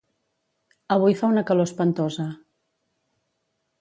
Avui fa una calor espantosa